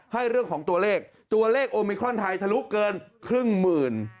เรื่องของตัวเลขตัวเลขโอมิครอนไทยทะลุเกินครึ่งหมื่น